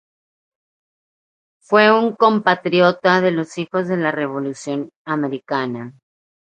Fue un compatriota de los Hijos de la Revolución Americana.